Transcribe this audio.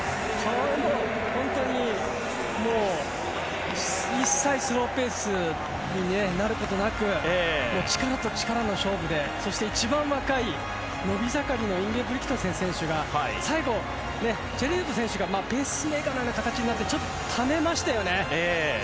本当に一切スローペースになることなく力と力の勝負でそして一番若い、伸び盛りのインゲブリクトセン選手が最後、チェルイヨト選手がペースメーカーの形になって少しためましたよね。